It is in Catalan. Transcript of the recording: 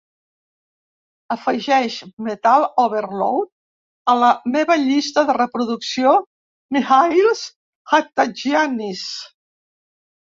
Afegeix "Metal Overload" a la meva llista de reproducció Mihalis Hatzigiannis.